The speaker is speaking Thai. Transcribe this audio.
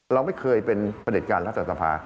เราไม่เคยเป็นประเด็จการรัฐสภา